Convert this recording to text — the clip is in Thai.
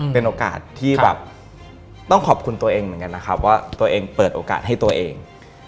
เป็นโอกาสที่แบบต้องขอบคุณตัวเองเหมือนกันนะครับว่าตัวเองเปิดโอกาสให้ตัวเอง